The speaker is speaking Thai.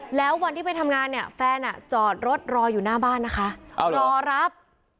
แล้ววันที่ไปทำงานเนี่ยแฟนจอดรถรออยู่หน้าบ้านนะคะรอรับ